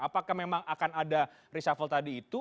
apakah memang akan ada reshuffle tadi itu